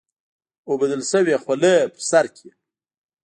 اوبدل شوې خولۍ پر سر کړي.